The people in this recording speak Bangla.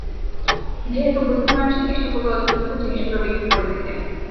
যেহেতু বুদ্ধিমান সে, চেষ্টা করবে অতি দ্রুত জিনিসগুলি বিক্রি করে দিতে।